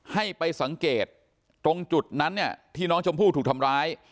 ให้ไปสังเกตตรงจุดนั้นเนี่ยที่น้องชมพู่ถูกทำร้าย